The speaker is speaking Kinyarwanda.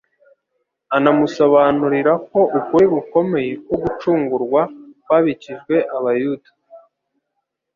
anamusobanurira ko ukuri gukomeye ko gucungurwa kwabikijwe Abayuda,